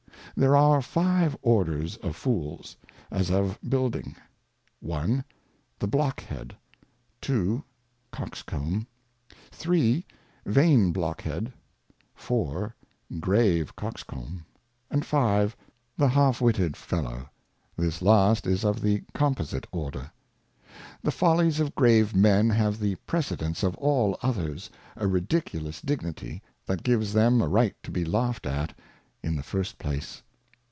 THERE are five Orders of Fools, as of Building: i. The Blockhead, 2. Coxcomb, 3. Vain Blockhead, 4. Grave Coxcomb, and 5. The Half witted Fellow ; this last is of the Composite Order. The Follies of grave Men have the Precedence of all others, a ridiculous Dignity, that gives them a Right to be laughed at in the first place.